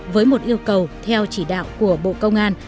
với một yêu cầu theo chỉ đạo của bộ công an